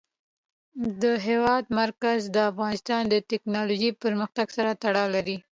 د هېواد مرکز د افغانستان د تکنالوژۍ پرمختګ سره تړاو لري.